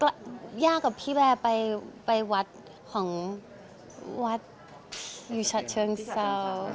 จริงยากกับพี่แมวไปไปวัดของวัดอยู่ชะเชิงเซา